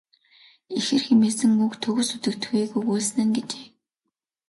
Ихэр хэмээсэн үг төгс үзэгдэхүйг өгүүлсэн нь." гэжээ.